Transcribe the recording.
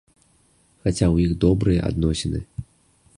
Хаця ў іх добрыя адносіны.